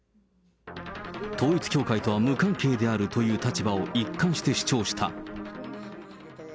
統一教会とは無関係であるという立場を一貫して主張した。